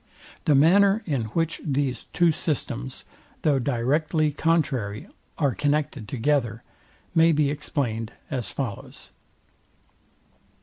The manner, in which these two systems, though directly contrary, are connected together, may be explains, as follows.